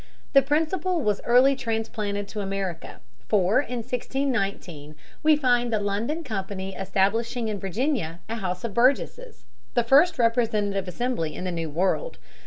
The principle was early transplanted to America, for in 1619 we find the London Company establishing in Virginia a House of Burgesses, the first representative assembly in the New World.